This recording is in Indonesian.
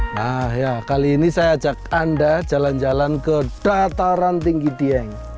nah ya kali ini saya ajak anda jalan jalan ke dataran tinggi dieng